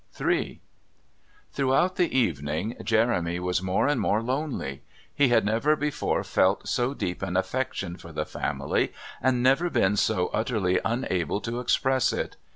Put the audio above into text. III Throughout the evening Jeremy was more and more lonely. He had never before felt so deep an affection for the family and never been so utterly unable to express it.